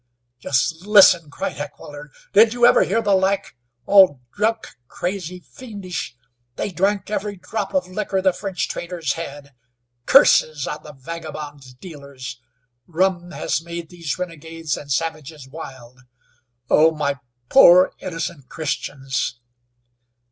"Just listen!" cried Heckewelder. "Did you ever hear the like? All drunk, crazy, fiendish! They drank every drop of liquor the French traders had. Curses on the vagabond dealers! Rum has made these renegades and savages wild. Oh! my poor, innocent Christians!"